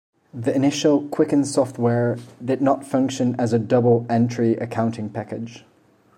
The initial Quicken software did not function as a "double-entry" accounting package.